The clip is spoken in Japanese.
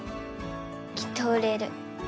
きっと売れる。